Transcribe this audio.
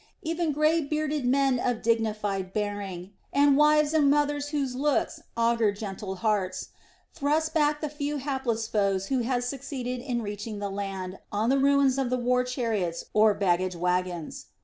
Even grey bearded men of dignified bearing, and wives and mothers whose looks augured gentle hearts thrust back the few hapless foes who had succeeded in reaching the land on the ruins of the war chariots or baggage wagons.